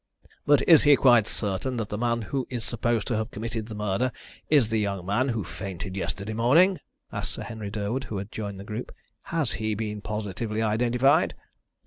"But is he quite certain that the man who is supposed to have committed the murder is the young man who fainted yesterday morning?" asked Sir Henry Durwood, who had joined the group. "Has he been positively identified?"